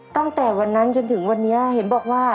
ตั้งแต่วันนั้นจนถึงวันนี้เห็นบอกว่า